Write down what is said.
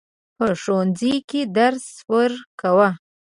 په ښوونځي کې درس ورکاوه.